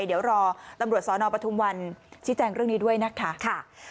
เดี๋ยวรอตำรวจสนปทุมวันชี้แจงเรื่องนี้ด้วยนะคะ